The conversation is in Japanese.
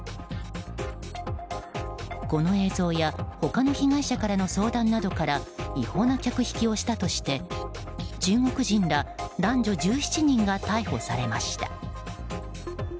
この映像や他の被害者からの相談などから違法な客引きをしたとして中国人ら、男女１７人が逮捕されました。